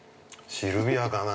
◆シルビアかな。